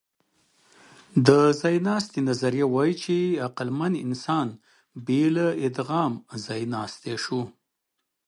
د ځایناستي نظریه وايي، چې عقلمن انسان بې له ادغام ځایناستی شو.